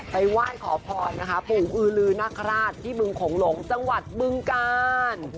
ไหว้ขอพรนะคะปู่อือลือนาคาราชที่บึงโขงหลงจังหวัดบึงกาล